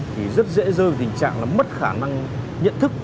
thì rất dễ dơ tình trạng là mất khả năng nhận thức